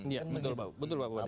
iya betul pak bapak